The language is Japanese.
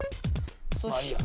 そして。